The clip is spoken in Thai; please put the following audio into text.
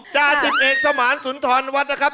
จาสิบเอกสมานสุนทรวัดนะครับ